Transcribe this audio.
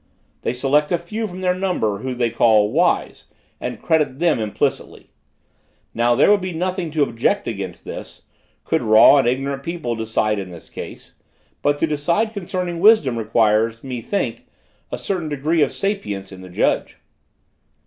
They select a few from their number whom they call, 'wise,' and credit them implicitly. Now, there would be nothing to object against this, could raw and ignorant people decide in this case; but to decide concerning wisdom requires, methinks, a certain degree of sapience in the judge.